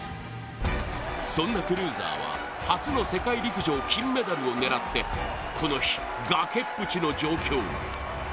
そんなクルーザーは初の世界陸上、金メダルを狙ってこの日、崖っぷちの状況。